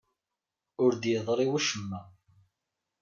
Ur d-yeḍri wacemma.